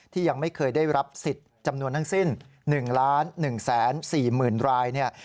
ยังไม่เคยได้รับสิทธิ์จำนวนทั้งสิ้น๑๑๔๐๐๐ราย